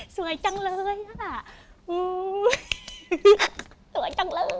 สวยจังเลย